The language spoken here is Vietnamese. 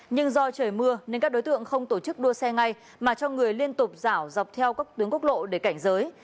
nhưng do trời mưa nên các đối tượng không tổ chức đua xe ngay mà cho người liên tục dạo dọc theo các tướng quốc lộ để cảnh giới